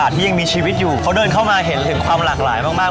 ที่ยังมีชีวิตอยู่เขาเดินเข้ามาเห็นถึงความหลากหลายมาก